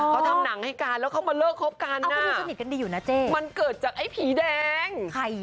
เขาทำหนังให้กันแล้วเข้ามาเลิกครบกันมันเกิดจากไอ้ผีแดง